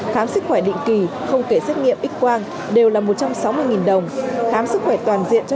khám sức khỏe định kỳ không kể xét nghiệm x quang đều là một trăm sáu mươi đồng khám sức khỏe toàn diện cho